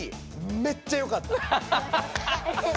めっちゃよかった！